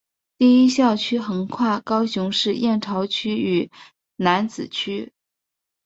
第一校区横跨高雄市燕巢区与楠梓区。